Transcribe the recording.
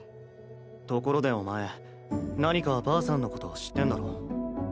ところでお前何かばあさんのこと知ってんだろ？